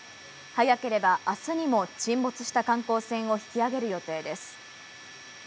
早ければ明日にも沈没した観光船を引き揚げる予定です。